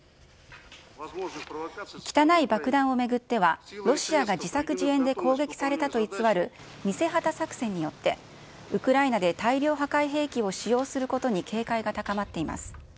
汚い爆弾を巡っては、ロシアが自作自演で攻撃されたと偽る偽旗作戦によって、ウクライナで大量破壊兵器を使用することに警戒が高まっています。